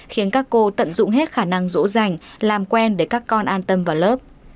khiến các cô tận dụng hết khả năng rỗ dành làm quen để các con an tâm vào lớp